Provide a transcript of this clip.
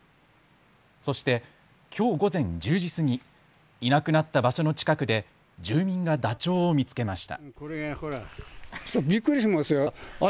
そしてきょう午前１０時過ぎ、いなくなった場所の近くで住民がダチョウを見つけました。